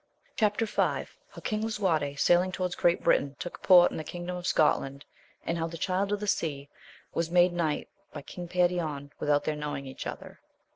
Chap. V, — How King Lisuarte sailing towards Great Britain took port in the kingdom of Scotland, and how the Child of the Sea was made EInight by King Perion, without their knowing each other.